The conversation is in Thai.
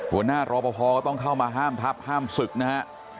หัวหน้ารอปภต้องเข้ามาห้ามทับห้ามศึกนะฮะ